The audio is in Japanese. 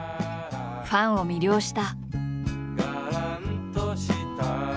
ファンを魅了した。